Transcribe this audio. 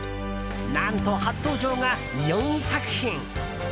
何と、初登場が４作品！